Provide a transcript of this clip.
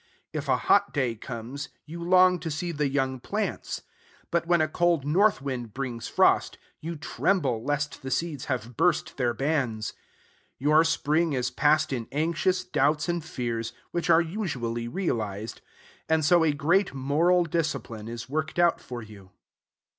If a hot day comes, you long to see the young plants; but, when a cold north wind brings frost, you tremble lest the seeds have burst their bands. Your spring is passed in anxious doubts and fears, which are usually realized; and so a great moral discipline is worked out for you.